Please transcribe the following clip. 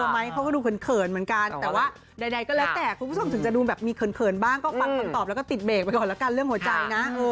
ไม้เขาก็ดูเขินเหมือนกันแต่ว่าใดก็แล้วแต่คุณผู้ชมถึงจะดูแบบมีเขินบ้างก็ฟังคำตอบแล้วก็ติดเบรกไปก่อนแล้วกันเรื่องหัวใจนะ